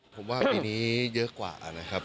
ผมว่าปีนี้เยอะกว่านะครับ